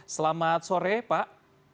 selamat sore pak